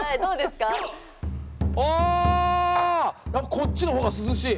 こっちのほうが涼しい。